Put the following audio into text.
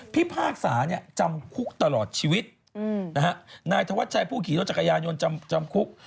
พากษาเนี่ยจำคุกตลอดชีวิตนะฮะนายธวัชชัยผู้ขี่รถจักรยานยนต์จำคุก